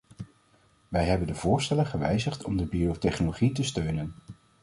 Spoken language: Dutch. Wij hebben de voorstellen gewijzigd om de biotechnologie te steunen.